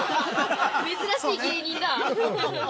◆珍しい芸人だ。